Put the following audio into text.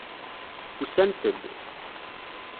Usant-d.